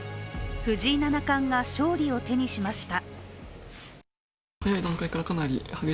藤井七冠が勝利を手にしました。